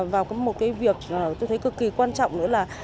và có một cái việc tôi thấy cực kỳ quan trọng nữa là